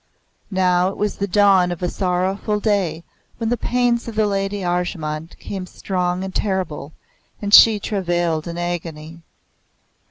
Now it was the dawn of a sorrowful day when the pains of the Lady Arjemand came strong and terrible, and she travailed in agony.